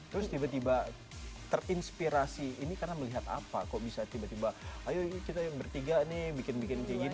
terus tiba tiba terinspirasi ini karena melihat apa kok bisa tiba tiba ayo kita bertiga nih bikin bikin kayak gini